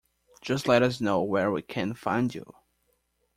Just let us know where we can find you.